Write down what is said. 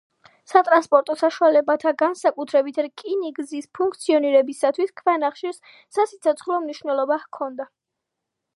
სატრანსპორტო საშუალებათა, განსაკუთრებით კი რკინიგზის ფუნქციონირებისათვის ქვანახშირს სასიცოცხლო მნიშვნელობა ჰქონდა.